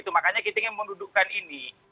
makanya kita ingin mendudukkan ini